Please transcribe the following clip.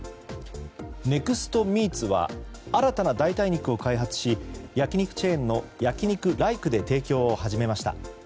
ネクストミーツは新たな代替肉を開発し焼き肉チェーンの焼肉ライクで提供を始めました。